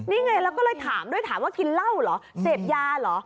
นี่ไงแล้วก็เลยถามด้วยถามว่ากินเหล้าเหรอเสพยาเหรอ